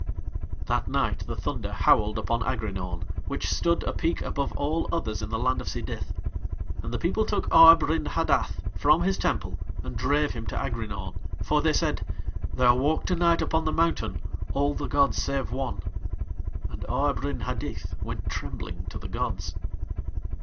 That night the thunder howled upon Aghrinaun, which stood a peak above all others in the land of Sidith. And the people took Arb Rin Hadith from his Temple and drave him to Aghrinaun, for they said: "There walk to night upon the mountain All the gods save One." And Arb Rin Hadith went trembling to the gods.